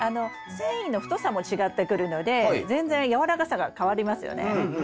繊維の太さも違ってくるので全然やわらかさが変わりますよね。